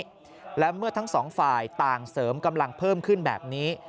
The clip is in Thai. และเมื่อทั้งสองฝ่ายต่างเสริมกำลังเพิ่มขึ้นแบบนี้